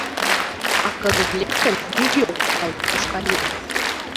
А кызыт лектын, нигӧ ок пале, куш каен!